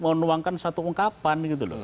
menuangkan satu ungkapan gitu loh